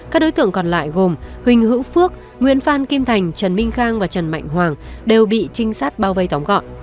các đối tượng còn lại gồm huỳnh hữu phước nguyễn phan kim thành trần minh khang và trần mạnh hoàng đều bị trinh sát bao vây tóm gọn